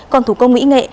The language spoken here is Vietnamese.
còn thủ công mỹ nghệ